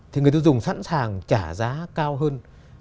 thì người tiêu dùng sẵn sàng trả giá cao hơn